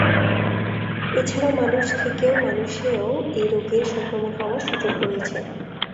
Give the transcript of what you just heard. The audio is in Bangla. এ ছাড়া মানুষ থেকে মানুষেও এ রোগের সংক্রমণ হওয়ার সুযোগ রয়েছে।